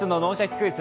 クイズ」